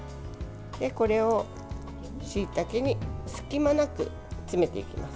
これを、しいたけに隙間なく詰めていきます。